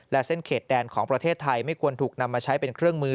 และเส้นเขตแดนของประเทศไทยไม่ควรถูกนำมาใช้เป็นเครื่องมือ